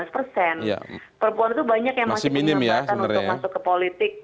perempuan itu banyak yang masih menyatakan untuk masuk ke politik